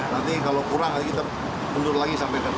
nanti kalau kurang kita bentur lagi sampai ke tiga puluh